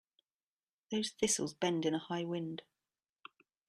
Those thistles bend in a high wind.